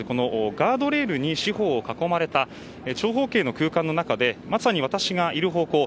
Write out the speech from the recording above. ガードレールに四方を囲まれた長方形の空間の中でまさに私がいる方向